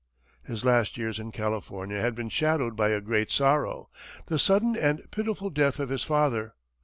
His last years in California had been shadowed by a great sorrow the sudden and pitiful death of his father.